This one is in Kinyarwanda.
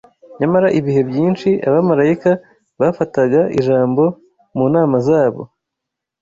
nyamara ibihe byinshi abamarayika bafataga ijambo mu nama zabo